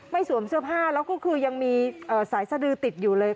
สวมเสื้อผ้าแล้วก็คือยังมีสายสดือติดอยู่เลย